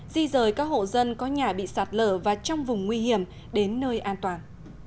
di rời các hộ dân có nhà bị sạt lở và trong vùng nguy hiểm đến nơi an toàn